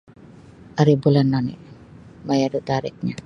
Aribulan oni maya da tariknyo.